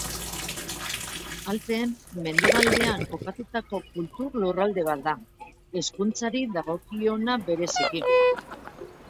Alpeen mendebaldean kokatutako kultur lurralde bat da, hizkuntzari dagokiona bereziki.